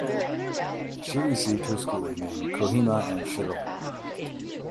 She received her schooling in Kohima and Shillong.